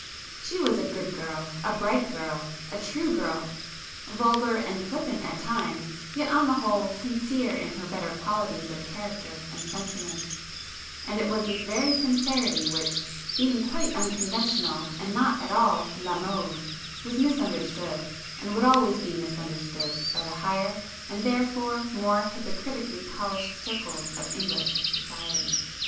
She was a good girl, a bright girl, a true girl,—vulgar and flippant at times, yet on the whole sincere in her better qualities of character and sentiment,—and it was this very sincerity which, being quite unconventional and not at all la mode, was misunderstood, and would always be misunderstood by the higher and therefore more hypocritically polished circles of English society.